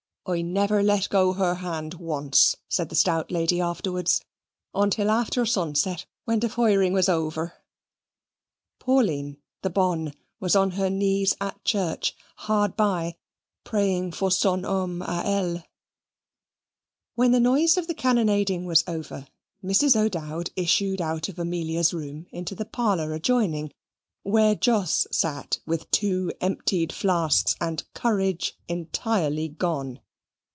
"I never let go her hand once," said the stout lady afterwards, "until after sunset, when the firing was over." Pauline, the bonne, was on her knees at church hard by, praying for son homme a elle. When the noise of the cannonading was over, Mrs. O'Dowd issued out of Amelia's room into the parlour adjoining, where Jos sate with two emptied flasks, and courage entirely gone.